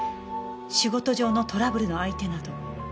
仕事上のトラブルの相手など」